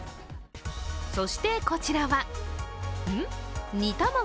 そしてこちらは、煮卵？